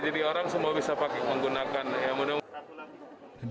jadi orang semua bisa pakai menggunakan